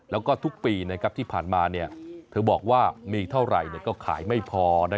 แล้วก็ทุกปีที่ผ่านมาเธอบอกว่ามีเท่าไหร่ก็ขายไม่พอ